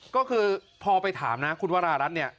ก็คือพอไปถามนะคุณวรารัฐเนี่ย